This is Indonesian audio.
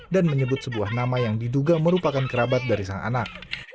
dan menyebut sebuah nama yang diduga merupakan kerabat dari sang anak